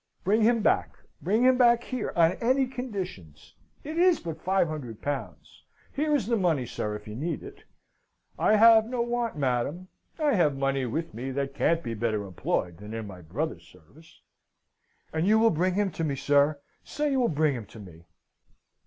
"Bring him back. Bring him back here on any conditions! It is but five hundred pounds! Here is the money, sir, if you need it!" "I have no want, madam. I have money with me that can't be better employed than in my brother's service." "And you will bring him to me, sir! Say you will bring him to me!"